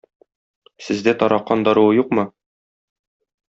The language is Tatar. Сездә таракан даруы юкмы?